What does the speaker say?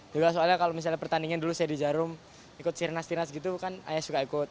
juga soalnya kalau misalnya pertandingan dulu saya di jarum ikut sirnas tirnas gitu kan ayah suka ikut